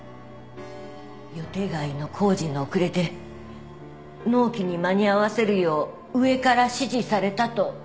予定外の工事の遅れで納期に間に合わせるよう上から指示されたと言っておりました。